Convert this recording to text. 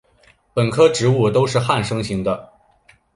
本科植物都是旱生型的。